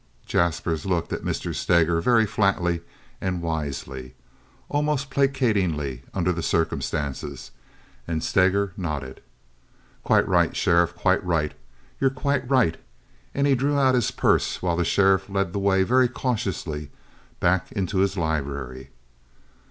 Jaspers looked at Mr. Steger very flatly and wisely—almost placatingly under the circumstances—and Steger nodded. "Quite right, Sheriff, quite right. You're quite right," and he drew out his purse while the sheriff led the way very cautiously back into his library.